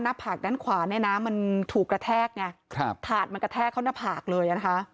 หน้าผากด้านขวาเนี่ยนะมันถูกกระแทกไงถาดมันกระแทกเข้าหน้าผากเลย